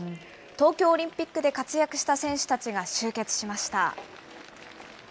東京オリンピックで活躍した選手たちが集結しました。